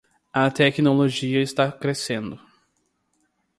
A tecnologia está crescendo